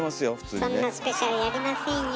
そんなスペシャルやりませんよ。